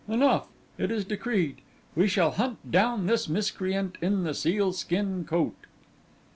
'Enough; it is decreed. We shall hunt down this miscreant in the sealskin coat.